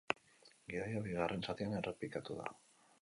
Gidoia bigarren zatian errepikatu da.